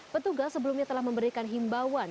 petugas sebelumnya telah memberikan himbauan